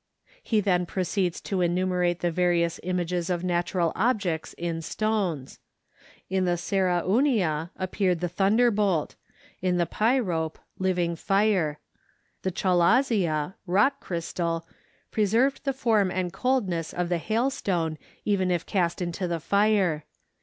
He then proceeds to enumerate the various images of natural objects in stones. In the ceraunia appeared the thunder bolt; in the pyrope, living fire; the chalazia (rock crystal) preserved the form and coldness of the hailstone even if cast into the fire.